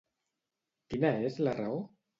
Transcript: Quina és la raó?